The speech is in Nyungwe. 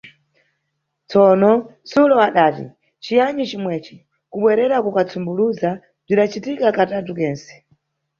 Tsono, Sulo adati "ciyani cimweci" kubwerera kuka sumbuluza, bzidacitika katatu kense.